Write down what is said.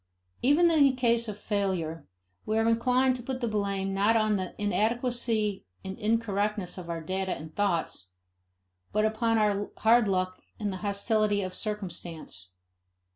Even in the case of failure, we are inclined to put the blame not on the inadequacy and incorrectness of our data and thoughts, but upon our hard luck and the hostility of circumstance.